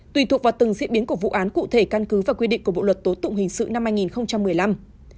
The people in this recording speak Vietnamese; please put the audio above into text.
tùy thuộc vào từng diễn biến của vụ án cụ thể căn cứ và quy định của bộ luật tố tụng hình sự năm hai nghìn một mươi năm